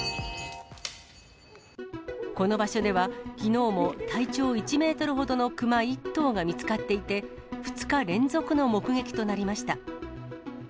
この場所では、きのうも体長１メートルほどの熊１頭が見つかっていて、２日連続の目撃となりました。